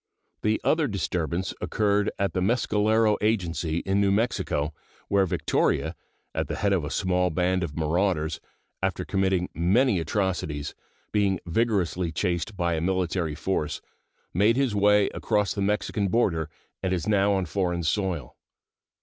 The other disturbance occurred at the Mescalero Agency, in New Mexico, where Victoria, at the head of a small band of marauders, after committing many atrocities, being vigorously chased by a military force, made his way across the Mexican border and is now on foreign soil.